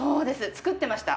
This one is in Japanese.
作ってました。